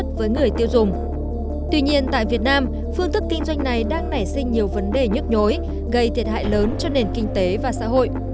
tuy nhiên tại việt nam phương thức kinh doanh này đang nảy sinh nhiều vấn đề nhức nhối gây thiệt hại lớn cho nền kinh tế và xã hội